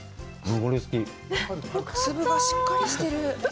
粒がしっかりしてる。